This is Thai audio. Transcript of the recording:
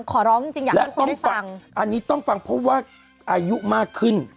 ขอร้องจริงอย่างแรกและต้องฟังอันนี้ต้องฟังเพราะว่าอายุมากขึ้น